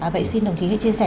vậy xin đồng chí hãy chia sẻ